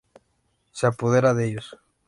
Se apodera de ellos.